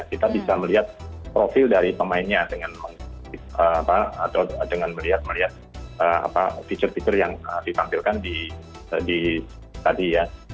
kita bisa melihat profil dari pemainnya dengan melihat melihat fitur fitur yang ditampilkan di tadi ya